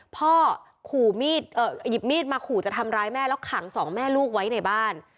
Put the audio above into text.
พ่อขู่หยิบมีดมาขู่จะทำร้ายแม่แล้วขังสองแม่ลูกไว้ในบ้าน